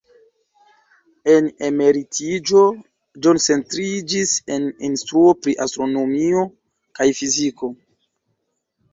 En emeritiĝo, John centriĝis en instruo pri astronomio kaj fiziko.